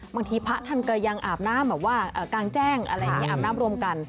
บางทีพระท่านเกยังอาบน้ำเหมือนว่ากางแจ้งอาบน้ำรวมกัน